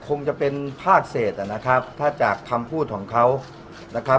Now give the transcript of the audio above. คงจะเป็นภาคเศษนะครับถ้าจากคำพูดของเขานะครับ